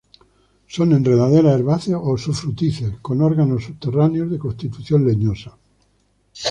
Son enredaderas herbáceas o sufrútices; con órganos subterráneos de constitución leñosa.